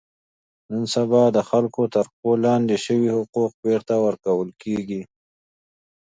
نن سبا د خلکو تر پښو لاندې شوي حقوق بېرته ور کول کېږي.